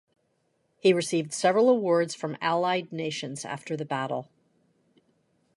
He received several awards from allied nations after the battle.